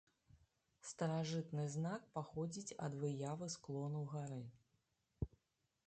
Старажытны знак паходзіць ад выявы склону гары.